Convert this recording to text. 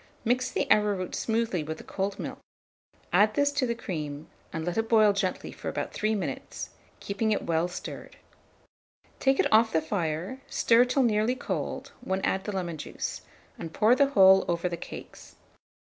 Mix the arrowroot smoothly with the cold milk; add this to the cream, and let it boil gently for about 3 minutes, keeping it well stirred. Take it off the fire, stir till nearly cold, when add the lemon juice, and pour the whole over the cakes.